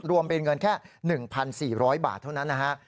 รวมเป็นเงินแค่๑๔๐๐บาทเท่านั้นนะฮะ